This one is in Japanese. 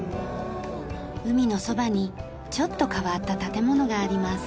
海のそばにちょっと変わった建物があります。